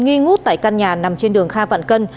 nghi ngút tại căn nhà nằm trên đường kha vạn cân